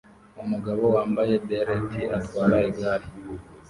umugabo wambaye beret atwara igare